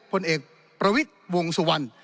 ผลเอกประวิทย์วงสุวรรณ